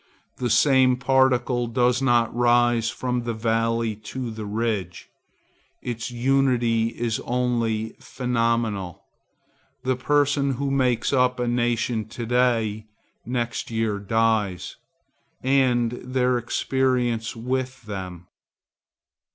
The same particle does not rise from the valley to the ridge. Its unity is only phenomenal. The persons who make up a nation to day, next year die, and their experience with them.